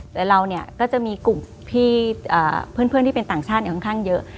แล้วเราก็จะมีกลุ่มบ้านพี่เพื่อนที่เป็นต่างชาติในหลังข้างเยอะ